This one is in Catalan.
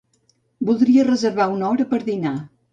Voldria reservar una hora per dinar.